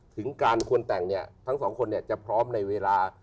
ถึงการควรแต่งทั้งสองคนจะพร้อมในเวลา